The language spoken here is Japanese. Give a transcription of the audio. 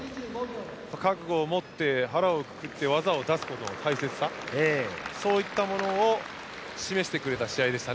覚悟を持って腹をくくって技を出すことの大切さそういったものを示してくれた試合でした。